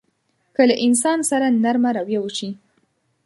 که له انسان سره نرمه رويه وشي.